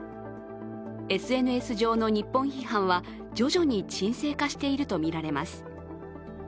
ＳＮＳ上の日本批判は徐々に沈静化しているとみられます。